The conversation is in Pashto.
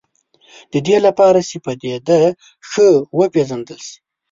د دې لپاره چې پدیده ښه وپېژندل شي.